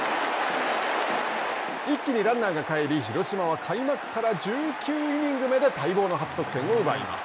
一気にランナーがかえり、広島は開幕から１９イニング目で待望の初得点を奪います。